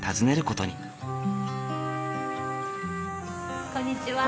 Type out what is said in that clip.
こんにちは。